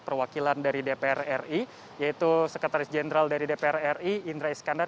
perwakilan dari dpr ri yaitu sekretaris jenderal dari dpr ri indra iskandar